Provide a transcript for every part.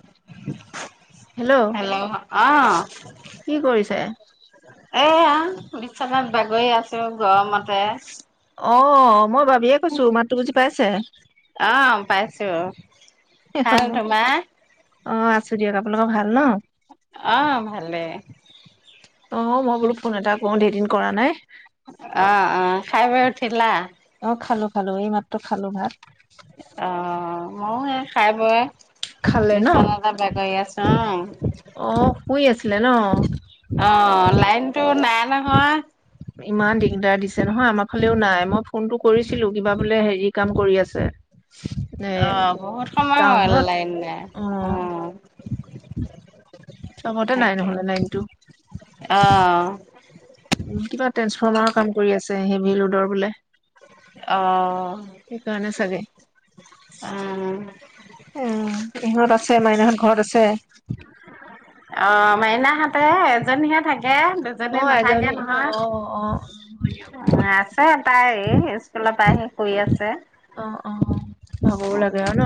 [unintelligible] Hello অ কি কৰিছে এয়া। বিছনাত বাগৰি আছো গৰমতে। অ মই ভাবি অহ পাইছো। ভাল তোমাৰ? অ আছো দিয়ক আপোনালোকৰ ভাল ন? অ ভালে অ' মই বোলো ফোন এটা কৰো ধেৰ দিন কৰা নাই অ অ খাই-বৈ উঠিলা? অ' খালো খালো এই মাত্ৰ খালো ভাত। অ ময়ো খাই-বৈ খালে ন বিছনাতে বাগৰি আছোঁ। অ' অ শুই আছিলে ন? অ'- লাইন টো নাই নহয়। ইমান দিগদাৰ দিছে নহয় আমাৰ ফালেও নাই। মই ফোনটো কৰিছিলোঁ, কিবা বোলে হেৰি কাম কৰি আছে। এ অ' বহুত সময় হ'ল টাউনত লাইন নাই। অ'- চবতে নাই তাকে- নহ'লে লাইনটো অ' কিবা ট্ৰেন্সফৰ্মাৰৰ কাম কৰি আছে সেই মেইন্‌ ৰোদৰ বোলে। অ'- সেইকাৰণে চাগে আ' অ'- সিহঁত আছে? মাইনাহঁত ঘৰত আছে? অ'- মাইনাহাঁতে এজনীহে থাক কে দুজনী অ নাথাকে এজনী অ নহয়। অ অ হয় দিয়ক আছে তাই এই স্কুলৰ পৰা আহি শুই আছে। অ অ ভাগৰো লাগে আৰু ন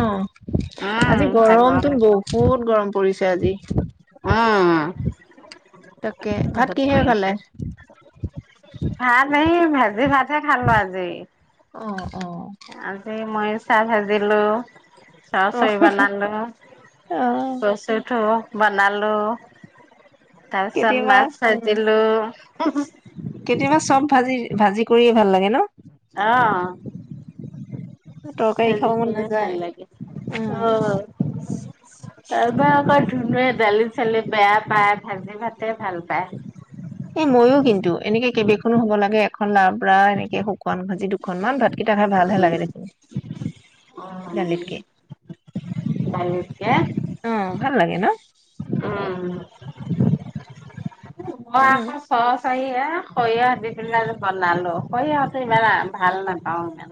উম আজি ভাগৰ গৰমতোন লাগে। বহুত গৰম পৰিছে আজি। [inaudible] অঁ- তাকে ভাত কিহেৰে খালে [unintelligible] ভাজি ভাতহে খালোঁ আজি। অ' অ আজি মই চাহ ভাজিলোঁ। অ চচৈ বনালোঁ। অ কচু ঠোৰো বনালোঁ। তাৰপিছত কেতিয়াবা মাছ উম ভাজিলোঁ। হু হু কেতিয়াবা চব ভাজি ভাজি কৰিয়ে ভাল লাগে। ন অ'- তৰকাৰী খাব ভাজি মন কৰিয়ে নাযায় ভাল লাগে। উম অ'- তাৰপা আকৌ দালি চালি বেয়া পায়, ভাজি ভাতেই ভাল পায়। এ ময়ো কিন্তু। এনেকে কেইবেখনো হ'ব লাগে এখন লা পুৰা এনেকে শুকান ভাজি দু অখনমান ভাত কিতা খাই ভালহে উম, লাগে দেখোন। উম, দালিতকে। দালিতকে অ ভাল লাগে ন? [inaudible] মই অ আকৌ চচ খৰিয়া সৰিয়হ দি পেলাই বনালোঁ, খৰিয়হটো ইমান ভাল নাপাওঁ ইমান।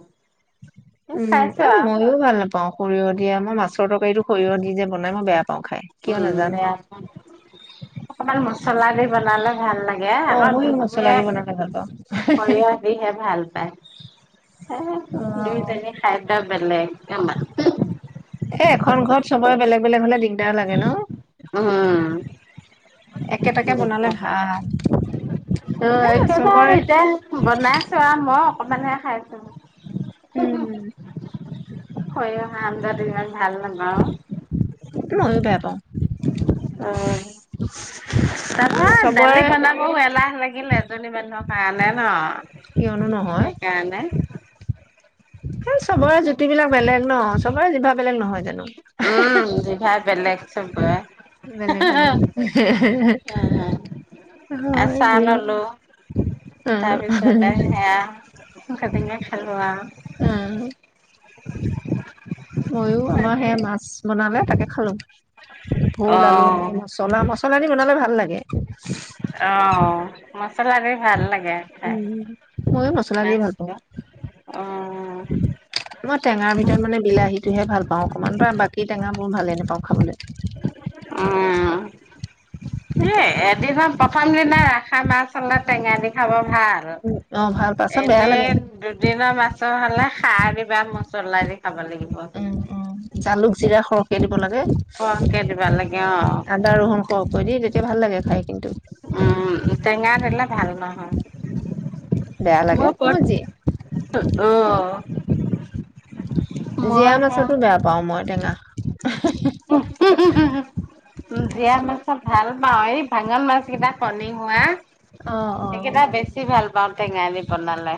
উম, খাইছো এই আৰু ময়ো ভাল নাপাওঁ। সৰিয়হ দিয়া মই মাছৰ তৰকাৰীটো সৰিয়হ দি যে বনাই, মই বেয়া পাওঁ খাই, কিয় উম নাজানো। বেয়া অকমান মছলা দি বনালে ভাল লাগে। লে অ', আকৌ মইও মছলা ধুনুৱে দি বনালে ভাল পাওঁ। সৰিয়হ দিহে ভাল পায়, অ [unintelligible] দুইজনী খাদ্য বেলেগ এমা এ এখন ঘৰত চব বেলেগ বেলেগ হলে দিগ দিগদাৰ লাগে ন, উম একেটাকে বনালে ত ভাল। হেয়া একেবাৰে চবৰে অকণমানহে খাইছোঁ। উম। সৰিয়হৰ আঞ্জা দি ভাল ভাল মইও ন বেয়া পাওঁ অঁ, এ তাৰপৰা চবৰে দালি বনাবও এলাহ লাগিল এজনী মানুহৰ কাৰণে ন। কিয়নো নহয়। সেইকাৰণে চবৰ জুতি বিলাক বেলেগ। ন, চবৰে জিভা বেলেগ নহয় জানো? উম জিভা বেলেগ। চবৰে। বেলেগ বেলেগ। হে হে হে। হয় আচাৰ দিয়ক। ললো [unintelligible] খালোঁ আৰু [unintelligible] ময়ো আমাৰ সেয়া মাছ বনালে। তাকে খালোঁ। ভোল আলু অ' এনেকে মছলা, মচলা দি বনালে ভাল লাগে। তাকে। অঁ মাছ তথাপি ভাল লাগে খাই, ময়ো মছলা দিয়ে ভাল পাওঁ মাছটো, অঁ। মই টেঙাৰ ভিতৰত মানে বিলাহীটোহে ভাল পাওঁ অকমান, তোমাৰ বাকী টেঙা মোৰ ভালে নোপাওঁ। খাবলৈ। অঁ। এ এদিনা প্ৰথম দিনা ৰাখা মাছ অলপ টেঙা দি। খবৰ ভাল। অ ভাল পাছত বেয়া এনে লাগে দুদিনৰ মাছ চাহ খালা? উম', উম', জালুক, জিৰা সৰহকে দিব লাগে। হৰকে দিবা লাগে। অ'। আদা ৰহুন সৰহকৈ দি তেতিয়া ভাল লাগে খাই। কিন্তু উম, টেঙা নিদিলে ভাল নহয়। বেয়া লাগে মই [unintelligible] অ'। যি উম জীয়া মাছোতো বেয়া পাওঁ মই টেঙা। [unintelligible] আ-হা-হা। উম-উম-উম-উম। উ', জীয়া মাছত ভাল পাওঁ। এই ডাঙৰ মাছ মছ কিটা কনী হোৱা। অ অ সেইকেইটা বেছি ভাল পাওঁ টেঙা দি বনালে।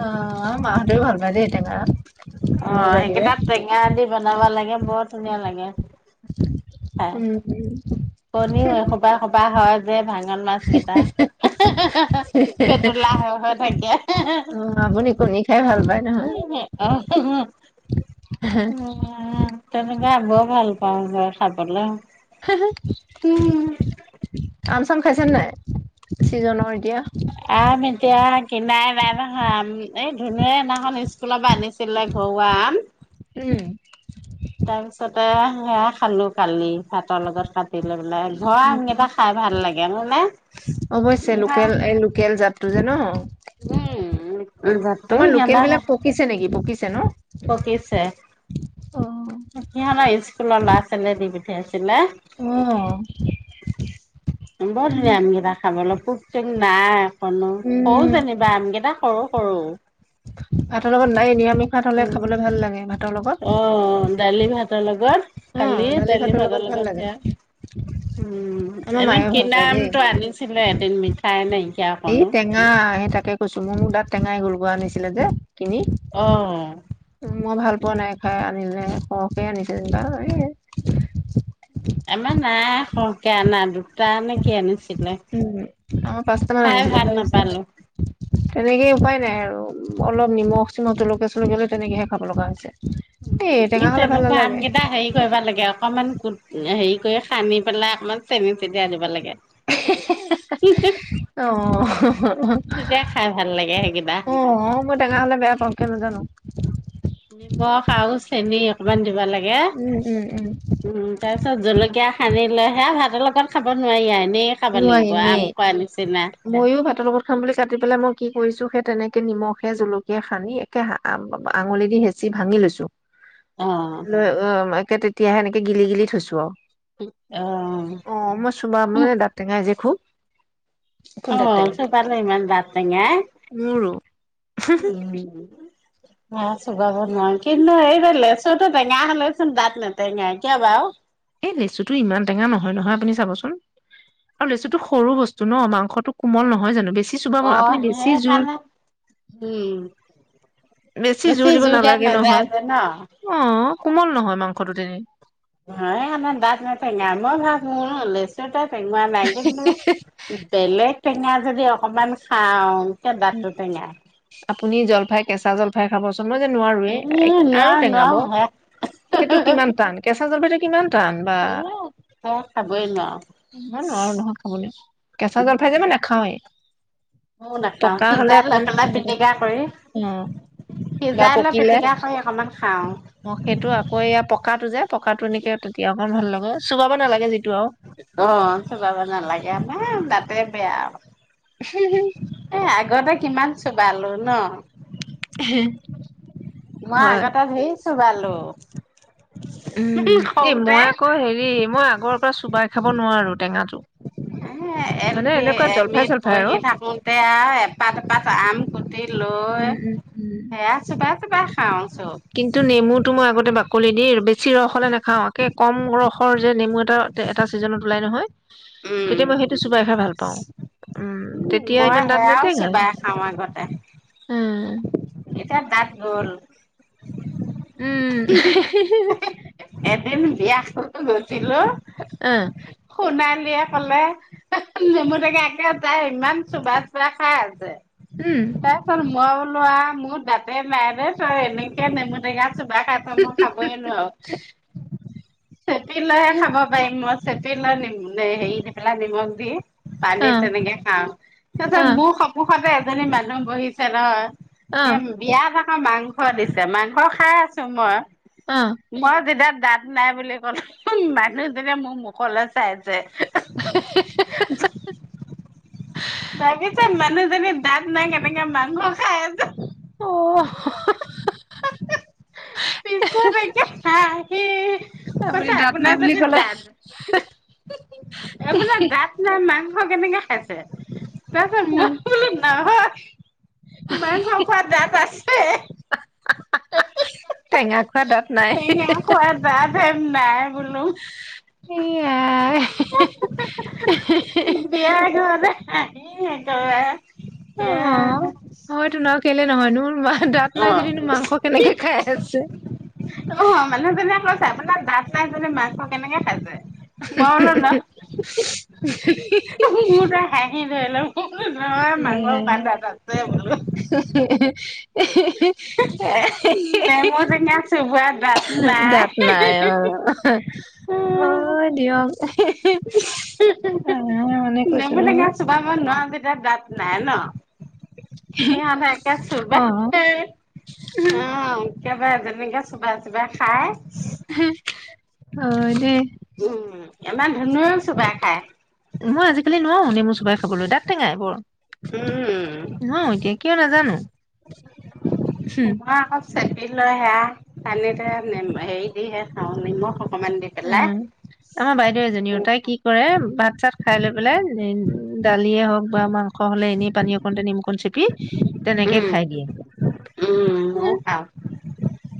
অ', আমাৰ মাহঁতেও ভাল পায় দে, টেঙা। মোৰ অ', বাহিৰে সেইকেইটাত টেঙা দি বনাব লাগে। বৰ ধুনীয়া লাগে। উম', উম'। কণী হয়। সবাই-সবা হয়। যে ভাঙা মাছ কেইটা আ-হা-হা-হা-হা পেটেলা হৈ হৈ থাকে। অ আপুনি কণী খাই ভাল পায় নহয় হা-হা-হা অ', হ', হ', তেনেকে আমিও ভাল পাওঁ। আনে খাই পাগলা হ-হ, আ ম খাইছেনে নাই? চিজনৰ এতিয়া আম এতিয়া কিনাই নাই নহয়। এই ধুনুয়ে সিদিনাখন স্কুলৰ পৰা আনিছিলে ঘৰুৱা আম। উম, তাৰপিছতে সেয়া খালো কালি। ভাতৰ লগত কাট বোলে। ঘৰুৱা উম, আমকেইটা খাই ভাল লাগে। হয় নে? অৱশ্যে লোকেল এই লোকেল জাতটো যে ন উম', শিকিছে ন'। পকিছে, অ', সিহঁতৰ ইস্কুলৰ ল'ৰা ছোৱালীয়ে দিবি সেই আছিলে। উম। বৰ ধুনীয়া আমকেইটা খাবলৈ। পোক-চোক নাই। নো উম, সৰু যেনিবা আমকেইটা সৰু। সৰু। ভাতৰ লগত নাই, নিৰামিষ ভাত হ'লে উম। খাবলৈ ভাল লাগে ভাত অ দালি ভাত ভাতৰ ‌লগত অ', খালি দালি ভাতৰ ভাগৰ ভাল লগত লাগে সেয়া, উম, আমাৰ এনে মায়ে ভাল কিনা পায় দেই। আমটো আনিছিলে এদিন মিঠাই নাই। এই টেঙা সেই তাকে কৈছো মোৰ মোৰ দাঁত টেঙাই গ'ল, গোৱা আনিছিলে যে। কিনি অ'। মই ভাল পোৱা নাই খাই, আনিলে, সৰহকে আনিছে যেনিবা এই আমাৰ নাই সৰহকে আনা দু দুটা নে কি আনিছিলে, উম, আমাৰ পাঁচটা খাই ভাল নাপালোঁ। তেনেকই উপায় নাই আৰু অলপ নিমখ চিমখ জলকীয়া চলকীয়া তেনেকৈহে খাব লগা হৈছে। এই উম ই টেঙা হলে ভাল তেনেকুৱা নালাগে। আমকেইটা হেৰি কৰিব লাগে আৰু অকণমান কুট হেৰি কৰি সানি পেলাই অকণমান চেনি চেটিয়াই দিব লাগে। তেতিয়া অ', খাই ভাল লাগে সেইকেইটা। অ', মই টেঙা হলে বেয়া পাওঁ কিয় নাজানো। [inaudible] নিমখ আৰু চেনি। অকমান দিব লাগে। [unintelligible] উম, তাৰপিছত জলকীয়া সানি লে হে ভাতৰ লগত খাব নোৱাৰি, আইন এনেই খাব নোৱাৰি লাগিব নেই। আম খোৱা নিচিনা। মইয়ো ভাতৰ লগত খাম বুলি কাটি পেলাই মই কি কৰিছোঁ, সেই তেনেকে নিমখে জলকীয়াই সানি একে আঙুলি দি হেঁচি ভাঙি লৈছো অ, লৈ, অ, উম। তেতিয়া হেনেকে গিলি গিলি থৈছোঁ আৰু। অ, অ', মই চোমা উম, মানে দাঁত যে খুব খুব অ দাঁত টেঙা চোবালে ইমান দাত টেঙাই। মোৰো। উম অ চোবাব নোৱাৰ কিন্তু এই লেচুটো টেঙা হলেওঁচোন দাত নেটেঙাই কিয় বাৰু? এই লেচুটো ইমান টেঙা নহয় নহয় আপুনি চাবচোন আৰু লেচুটো সৰু বস্তু ন মাংসটো কোমল নহয় জানো বেছি চোবাব অ আপুনি বেছি জোৰ সেইকাৰণে উম। বেছি জোৰ দিব দাত নালাগে নাযায় নহয়, যে ন? অ কোমল নহয় মাংস। [unintelligible] নাই আমাৰ দাত নাথাকে। আম ঘত মোৰ লেচু [unintelligible] বেলেগ টেঙা যদি অকণমান খাওঁ। কিয় দাঁতটো টেঙাই। আপুনি জলফাই কেঁচা জলফাই [unintelligible] মইযে নোৱাৰোয়ে, উম আৰু নোৱাৰো টেঙাব নোৱাৰো হে সেইটো কিমান টান কেঁচা জলফাইটো কিমান টান, বা এ সেয়া খাবই নোৱাৰো। ইমান নোৱাৰোঁ নহয় খাবলে। কেঁচা জলফাই যে', মই নেখাওঁয়ে। ময়ো নাখাও পকা হ'লে সিজাই লৈ অকণমান পেলাই খাবলে। পিটিকা কৰি অ, বা সিজাই লৈ পকিলে, পিটিকা কৰি অকমান খাওঁ। অ সেইটো আকৌ এয়া পকা টো যে। পকাটো নেকি তেতিয়া অকণ ভাল লাগে। চোবাব নেলাগে যিটো আৰু। অ চোবাব নালাগে আমাৰ দাতে বেয়া এ', আগতে কিমান? চোবালো ন। হেল, মই আগতে ধেই চোবালো। উম এ সৰুতে মই আকৌ হেৰি মই আকৌ। আগৰ পৰা চোবাই খাব নোৱাৰো টেঙাটো। মই এল মানে পি এনেকুৱা এম জলফাই ইত চলফাই আৰু পঢ়ি থাকোতে আৰু এপাত এপাত আম কুটি লৈ উম উম উম সেয়া চোবাই কিবা খাওঁ, চব কিন্তু নেমুটো মই আগতে [unintelligible] চিৰসহলে নাখাও। কে', কম ৰস যে নেমু এটা, এটা ছিজনত ওলাই নহয়। উম তেতিয়া মই সেইটো চোবাই খাই ভাল পাওঁ। উম', তেতিয়া মই ইমান দাঁত সেয়াও নেটেঙাই চোবাই খাওঁ আগতে। উম এটা দাঁত গ'ল। উম। এন বিয়া খাব গৈছিলোঁ। আহ শুনাই ক'লে নেমু টেঙা একে তাই ইমান চোবাই চোবাই খাই আছে। উম তাইছত ম লোৱা মোৰ দাঁতেই নাই দেই, তই এনেকে নেমু টেঙা চোবাই খাইছ, মই খাবই নোৱাৰোঁ। চেপি লৈহে খাব পাৰিম মই। [unintelligible] পানীত আহ তেনেকে খাওঁ, তাৰ পিছত আহ মোৰ সন্মুখতে মানে মানুহ বহিছে নহয়। হে আহ বিয়া অঁ মাংস দিছে, মাংস খাই আছোঁ মই। আহ মই যেতিয়া দাঁত নাই বুলি ক'লে মানুহজনে মোৰ মুখলৈ চাইছে [unintelligible] ভাবিছে মানুহজনী দাঁত নাই কেনেকে মাংস খাই আছে। অঁ পিছত একে হাঁহি, সি আপুনি কৈছে দাঁত নাই আপোনাৰ বুলি যদি ক'লে দাঁত, আপোনাৰ দাঁত নাই মাং কেনেকে খাইছে টাইছত মই বোলো নহয় [inaudible] মাংস খোৱা দাঁত আছে। টেঙা খোৱা দাঁত নাই। টেঙা খোৱা দাঁত নাই বোলো, এয়াই বিয়া ঘৰলে অঁ সেই একেবাৰে অঁ এয়া হয়তো ন কেলে নহয়নোৰ তোমাৰ দাঁত নাই অ যদিনো মাংস কেনেকে খাই আছে। আপোনাৰ দাঁত নাই বোলে মাংস কেনেকে খাইছে। মই বোলো নহ, মোৰ তই হাঁহি হেল' [unintelligible] ন মাং এয়াই পাদ তাতে বনালো। নেমু টেঙা চোবোৱা দাঁত নাই দাত নাই অ', হয় দিয়ক আহ মানে কৈছো নহয়। এতিয়া গাঁত নাই ন? সিহঁতে একে চোবা অ অ। কেবেৰে যেনেকে চোবাই চোবাই খাই। হোম। অ', দে। ইমান ধন্য মই আজিকালি নুৱাও নেমু চোবাই খাবলৈ, দাত টেঙাই বৰ। উম নুৱাও এতিয়া কিয় নাজান আনো হোম। মই আকৌ চেপি লৈ সেয়া পানীতে হেৰি দিহে খাওঁ নিমখ অকমান দি পেলাই উম, আমাৰ বাইদেউ এজনীও, তাই কি কৰে ভাত চাত খাই লৈ পেলাই দালিয়ে হওক বা, মাংস হলে এনেই পানী অকণতে নিমকণ চেপি তেনেকে উম খাই দিয়ে।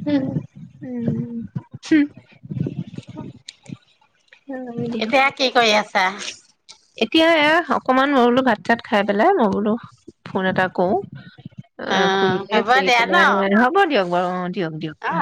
হোম। উম। [unintelligible] হয় দিয়ক। এতিয়া কি কৰি আছা? এতিয়া এয়া অকমান মই বোলো ভাত চাত খাই পেলাই মই বোলো ফোন এটা কৰো অ', খুৰিলে হ'ব কৰি দিয়া ন পেলাই হ'ব দিয়ক। অ। দিয়ক দিয়ক অ।